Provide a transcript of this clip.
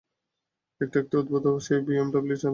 দেখতে একটু অদ্ভুত, তবে সে বিএমডাব্লু চালায়।